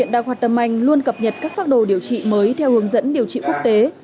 đào hoạt tâm anh luôn cập nhật các pháp đồ điều trị mới theo hướng dẫn điều trị quốc tế